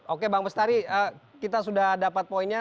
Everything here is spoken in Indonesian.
oke bang bestari kita sudah dapat poinnya